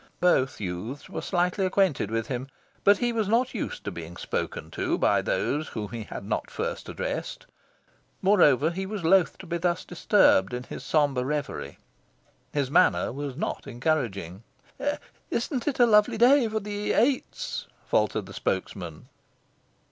Both youths were slightly acquainted with him; but he was not used to being spoken to by those whom he had not first addressed. Moreover, he was loth to be thus disturbed in his sombre reverie. His manner was not encouraging. "Isn't it a lovely day for the Eights?" faltered the spokesman.